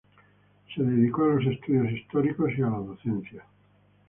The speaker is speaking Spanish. Se dedicó a los estudios históricos y la docencia.